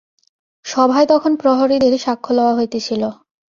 সভায় তখন প্রহরীদের সাক্ষ্য লওয়া হইতেছিল।